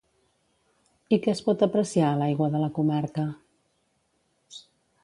I què es pot apreciar a l'aigua de la comarca?